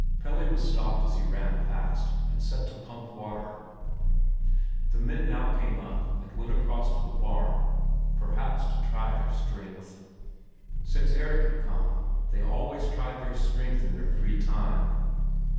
Pelle was stopped as he ran past, and set to pump water. The men now came up and went across to the barn, perhaps to try their strength. Since Erik had come, they always tried their strength in their free time.